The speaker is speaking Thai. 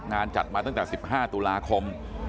งานจัดมาตั้งแต่๑๕ตุลาคม